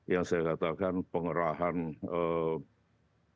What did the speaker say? yang saya katakan pengerahan